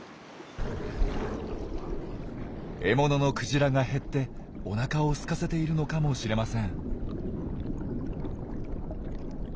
獲物のクジラが減っておなかをすかせているのかもしれません。